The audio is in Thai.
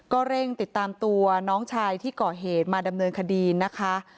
ก็เร่งติดตามตัวน้องชายที่ก่อเหตุมาดำเนินคดีนะคะ